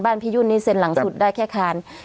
บ้านพิยุณนี้เส้นหลังสุดได้แค่คาน